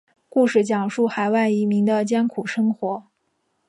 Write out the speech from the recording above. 故事讲述海外移民的艰苦生活。